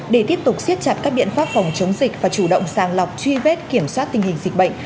để tiếp tục siết chặt các biện pháp phòng chống dịch và chủ động sàng lọc truy vết kiểm soát tình hình dịch bệnh